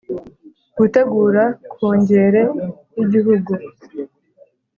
Gutegura Kongere y igihugu